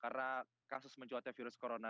karena kasus mencuatnya virus corona